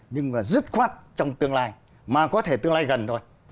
nhưng mà dứt khoát trong tương lai mà có thể tương lai gần thôi